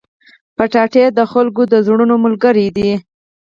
کچالو د خلکو د زړونو ملګری دی